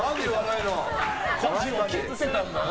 こじを切ってたんだな。